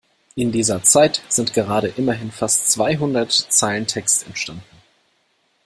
In dieser Zeit sind gerade immerhin fast zweihundert Zeilen Text entstanden.